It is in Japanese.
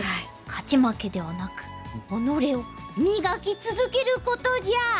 勝ち負けではなく己を磨き続けることじゃ！